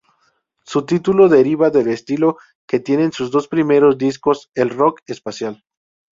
Su título deriva del estilo que tienen sus dos primeros discos, el "rock" espacial.